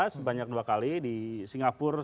sebanyak dua kali di singapura